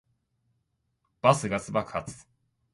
バスガス爆発